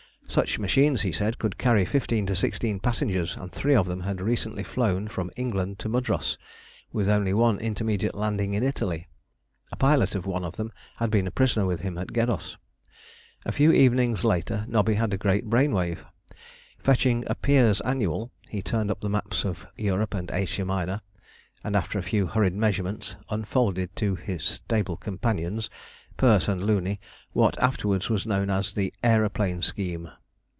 Such machines, he said, could carry fifteen to sixteen passengers, and three of them had recently flown from England to Mudros, with only one intermediate landing in Italy. A pilot of one of them had been a prisoner with him at Geddos. A few evenings later Nobby had a great brain wave; fetching a 'Pears' Annual,' he turned up the maps of Europe and Asia Minor, and, after a few hurried measurements, unfolded to his stable companions, Perce and Looney, what was afterwards known as the "aeroplane scheme."